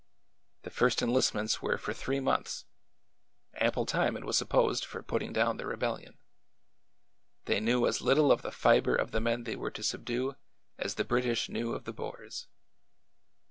The first enlistments were for three months— ample time, it was supposed, for putting down the rebellion. They knew as little of the fiber of the men they were to subdue as the British knew of the Boers.